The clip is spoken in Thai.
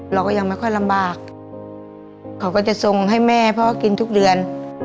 เราก็ยังไม่ค่อยลำบากเขาก็จะส่งให้แม่พ่อกินทุกเดือน